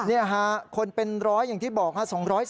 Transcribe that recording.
นี่ค่ะคนเป็นร้อยอย่างที่บอกฮะ